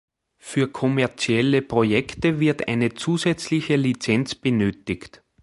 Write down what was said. Für kommerzielle Projekte wird eine zusätzliche Lizenz benötigt.